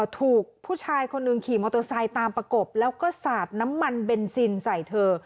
ถูกผู้ชายคนหนึ่งขี่มอเตอร์ไซค์ตามประกบแล้วก็สาดน้ำมันเบนซินใส่เธอ